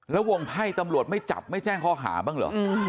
แล้ววงไพ่ตำรวจไม่จับไม่แจ้งข้อหาบ้างเหรอ